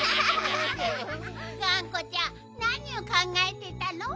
がんこちゃんなにをかんがえてたの？